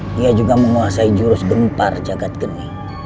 dia juga menguasai jurus gempar jagad gening